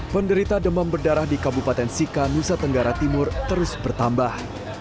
penderita demam berdarah di kabupaten sika nusa tenggara timur terus bertambah